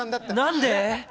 何で？